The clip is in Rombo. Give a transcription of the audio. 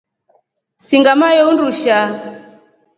Singa maiyoo undusha.